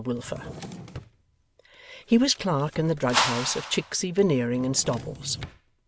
Wilfer.' He was clerk in the drug house of Chicksey, Veneering, and Stobbles.